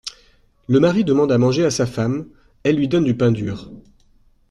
Le mari demande à manger à sa femme ; elle lui donne du pain dur.